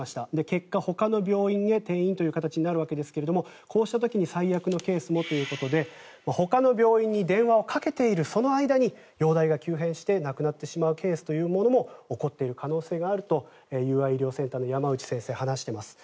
結果、ほかの病院へ転院となるわけですがこうした時に最悪のケースもということでほかの病院に電話をかけているその間に容体が急変して亡くなってしまうケースというのも起こっている可能性があると友愛医療センターの山内先生は話しています。